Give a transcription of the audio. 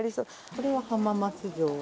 これは浜松城。